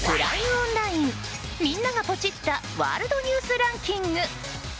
オンラインみんながポチッたワールドニュースランキング。